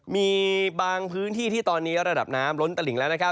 มีบางพื้นที่ที่ตอนนี้ระดับน้ำล้นตะหลิงแล้ว